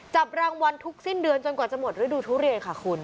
จับรางวัลทุกสิ้นเดือนจนกว่าจะหมดฤดูทุเรียนค่ะคุณ